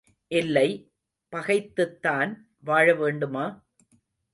இல்லை, பகைத்துத்தான் வாழவேண்டுமா?